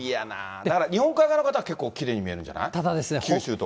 だから日本海側の方、結構、きれいに見えただですね。